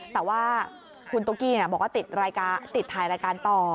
แต่ว่าคุณตุ๊กกี้บอกว่าติดถ่ายรายการต่อ